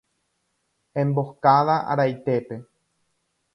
Emboscada araitépe.